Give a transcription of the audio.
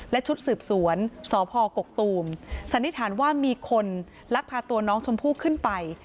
และชุดสืบสวนสพกกตูมสันนิษฐานว่ามีคนลักพาตัวน้องชมพู่ขึ้นไป